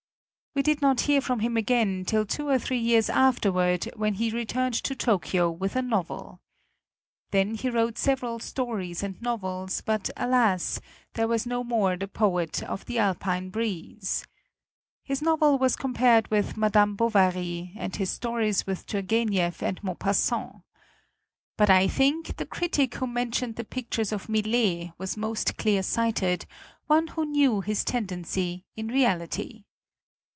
We did not hear from him again till two or three years afterward, when he returned to Tokyo with a novel. Then he wrote several stories and novels, but alas ! there was no more the poet of the Alpine breeze. His novel was com pared with "Madame Bovary," and his stories with Turgeniev and Maupas sant. But I think the critic who men tioned the pictures of Millet was most clear sighted, one who knew his ten dency, in reality.